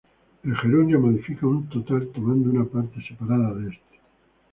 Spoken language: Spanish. El gerundio modifica un total tomando una parte separada de este.